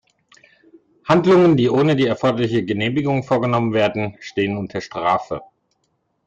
Handlungen, die ohne die erforderliche Genehmigung vorgenommen werden, stehen unter Strafe.